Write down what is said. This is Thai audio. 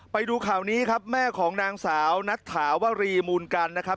ไปดูข่าวนี้ครับแม่ของนางสาวนัทถาวรีมูลกันนะครับ